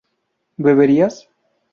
¿beberías?